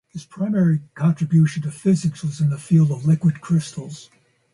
His primary contribution to physics was in the field of liquid crystals.